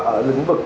ở lĩnh vực